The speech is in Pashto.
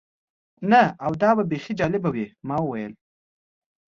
نه، او دا به بیخي جالبه وي. ما وویل.